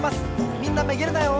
みんなめげるなよ！